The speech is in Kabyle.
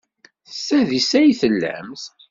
S tadist ay tellamt?